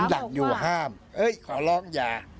ผมดั่งอยู่ว่าห้ามเฮ้ยขอร้องอย่า